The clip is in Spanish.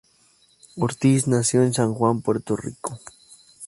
Ortiz nació en San Juan, Puerto Rico.